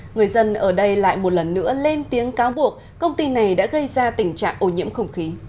người dân ở đây lại một lần nữa lên tiếng cáo buộc công ty này đã gây ra tình trạng ô nhiễm không khí